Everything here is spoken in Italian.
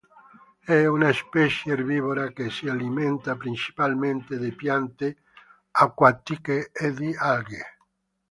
È una specie erbivora che si alimenta principalmente di piante acquatiche e di alghe.